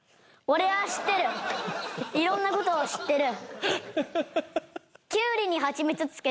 俺は知ってるいろんなことを知ってる